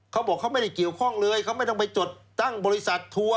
เขาบอกเขาไม่ได้เกี่ยวข้องเลยเขาไม่ต้องไปจดตั้งบริษัททัวร์